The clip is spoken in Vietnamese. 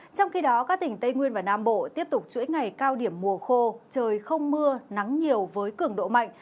trong khi đó các tỉnh tây nguyên và nam bộ tiếp tục chuỗi ngày cao điểm mùa khô trời không mưa nắng nhiều với cường độ mạnh